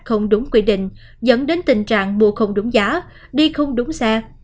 không đúng quy định dẫn đến tình trạng mua không đúng giá đi không đúng xe